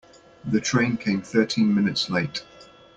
The train came thirteen minutes late.